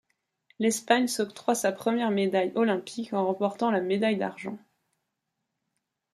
L'Espagne s'octroie sa première médaille olympique en remportant la médaille d'argent.